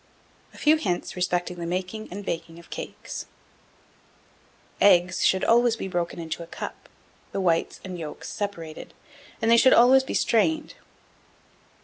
A FEW HINTS respecting the Making and Baking of CAKES. 1704. Eggs should always be broken into a cup, the whites and yolks separated, and they should always be strained.